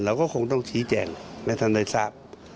เราก็คงต้องชี้แจงให้ท่านได้ทราบ